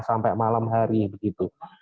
sampai malam hari begitu